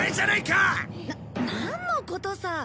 ななんのことさ？